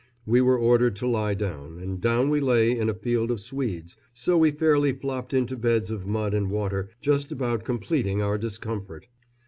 We were ordered to lie down, and down we lay in a field of swedes, so we fairly flopped into beds of mud and water, just about completing our discomfort.